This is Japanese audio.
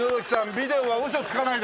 ビデオはウソつかないですね。